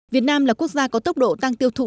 việt nam là quốc gia có tốc độ tăng tiêu thụ